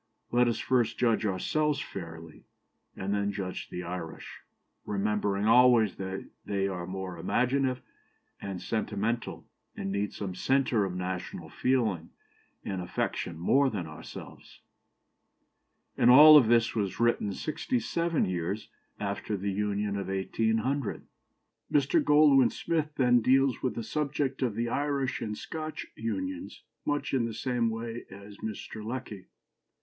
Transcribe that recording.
Let us first judge ourselves fairly, and then judge the Irish, remembering always that they are more imaginative and sentimental, and need some centre of national feeling and affection more than ourselves." And all this was written sixty seven years after the Union of 1800. Mr. Goldwin Smith then deals with the subject of the Irish and Scotch unions much in the same way as Mr. Lecky.